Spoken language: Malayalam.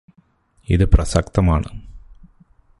ഇത് പ്രസക്തമാണ്